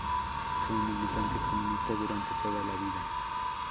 Fue un militante comunista durante toda la vida.